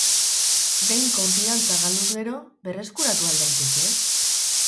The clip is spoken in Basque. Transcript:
Behin konfidantza galduz gero, berrekuratu al daiteke?